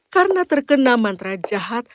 karena terkena mantra jahat